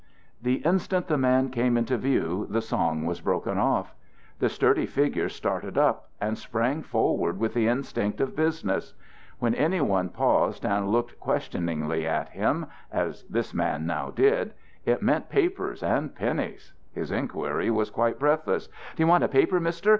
The instant the man came into view, the song was broken off. The sturdy figure started up and sprang forward with the instinct of business. When any one paused and looked questioningly at him, as this man now did, it meant papers and pennies. His inquiry was quite breathless: "Do you want a paper, Mister?